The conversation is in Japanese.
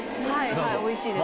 はい、おいしいです。